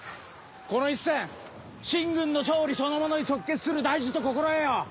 この一戦秦軍の勝利そのものに直結する大事と心得よ！